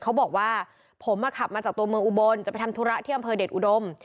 เขาบอกว่าผมขับมาจากตัวเมืองอุบลจะไปทำธุระที่อำเภอเดชอุดม